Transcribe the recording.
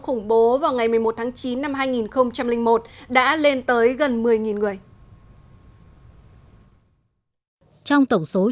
khủng bố vào ngày một mươi một tháng chín năm hai nghìn một đã lên tới gần một mươi người